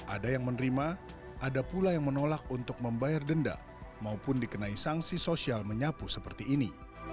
ada yang menerima ada pula yang menolak untuk membayar denda maupun dikenai sanksi sosial menyapu seperti ini